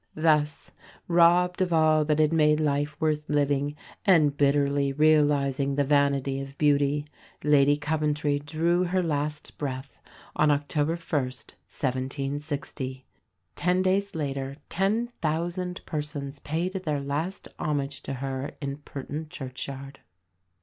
Thus, robbed of all that had made life worth living, and bitterly realising the vanity of beauty, Lady Coventry drew her last breath on October 1st 1760. Ten days later, ten thousand persons paid their last homage to her in Pirton churchyard.